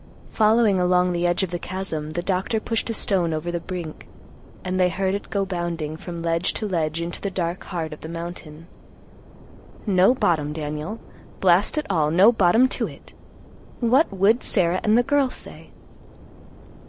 Following along the edge of the chasm, the doctor pushed a stone over the brink, and they heard it go bounding from ledge to ledge into the dark heart of the mountain. "No bottom, Daniel. Blast it all, no bottom to it! What would Sarah and the girls say?"